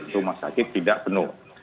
rumah sakit tidak penuh